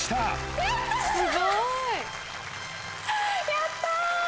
やった！